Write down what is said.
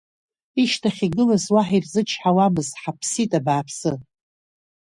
Ишьҭахь игылаз уаҳа ирзычҳауамызт ҳаԥсит, абааԥсы.